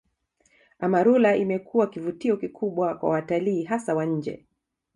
Amarula imekuwa kivutio kikubwa kwa watalii hasa wa nje